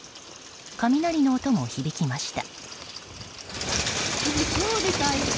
雷の音も響きました。